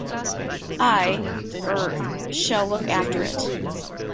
I — er — shall look after it.